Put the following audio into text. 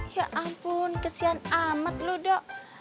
ya ampun kesian amat lu dok